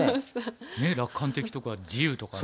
ねえ「楽観的」とか「自由」とかね